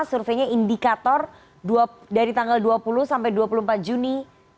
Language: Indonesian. surveinya indikator dari tanggal dua puluh sampai dua puluh empat juni dua ribu dua puluh